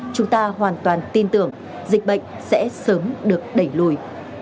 chúng ta hoàn toàn tin tưởng dịch bệnh sẽ sớm được đẩy lùi